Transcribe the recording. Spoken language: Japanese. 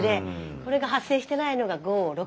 これが発生してないのが５・６・７割。